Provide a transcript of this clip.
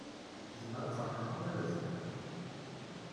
Tezmer ad teṛju arma d azekka.